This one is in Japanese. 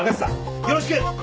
よろしく！